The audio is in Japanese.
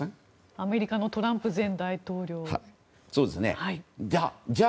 アメリカのトランプ前大統領。